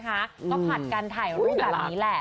ภาทกันถ่ายรูปแบบนี้แหละ